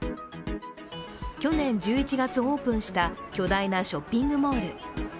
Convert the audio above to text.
去年１１月オープンした巨大なショッピングモール。